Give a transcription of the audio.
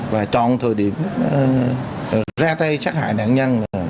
và chọn thời điểm ra tay sát hại nạn nhân